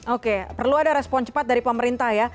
oke perlu ada respon cepat dari pemerintah ya